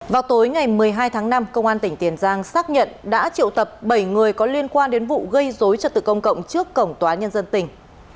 vào tối ngày một mươi hai tháng năm công an tỉnh tiền giang xác nhận đã triệu tập bảy người có liên quan đến vụ gây dối trật tự công cộng trước cổng tòa nhân dân tỉnh